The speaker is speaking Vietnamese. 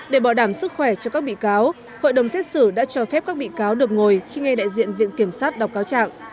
để bảo đảm sức khỏe cho các bị cáo hội đồng xét xử đã cho phép các bị cáo được ngồi khi nghe đại diện viện kiểm sát đọc cáo trạng